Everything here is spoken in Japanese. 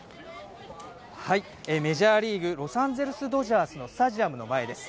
メジャーリーグ、ロサンゼルス・ドジャースのスタジアムの前です。